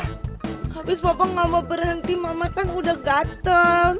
habis papa gak mau berhenti mama kan udah gatel